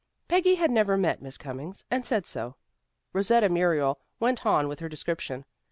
Peggy had never met Miss Cummings, and said so. Rosetta Muriel went on with her description.